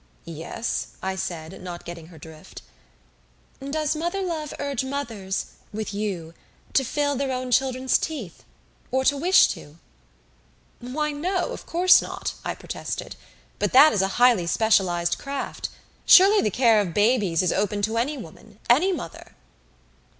"Yes?" I said, not getting her drift. "Does mother love urge mothers with you to fill their own children's teeth? Or to wish to?" "Why no of course not," I protested. "But that is a highly specialized craft. Surely the care of babies is open to any woman any mother!"